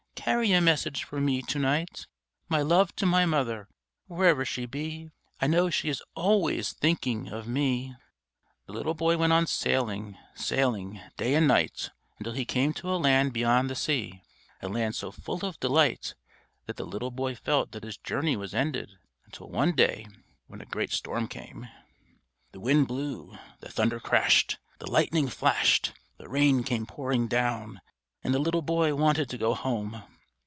Carry a message for me to night: My love to my mother, wherever she be; I know she is always thinking of me_." The little boy went on sailing, sailing, day and night, until he came to a land beyond the sea, a land so full of delight that the little boy felt that his journey was ended, until one day when a great storm came. The wind blew, the thunder crashed, the lightning flashed, the rain came pouring down, and the little boy wanted to go home.